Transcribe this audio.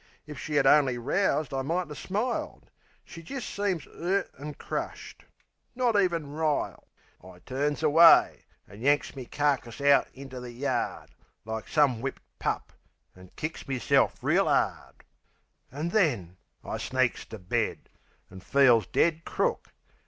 If she 'ad only roused I might 'a' smiled. She jist seems 'urt an' crushed; not even riled. I turns away, An' yanks me carkis out into the yard, Like some whipped pup; an' kicks meself reel 'ard. An' then, I sneaks to bed, an' feels dead crook.